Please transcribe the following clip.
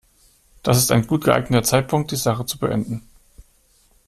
Das ist ein gut geeigneter Zeitpunkt, die Sache zu beenden.